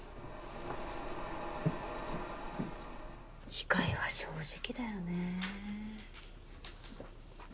機械は正直だよね。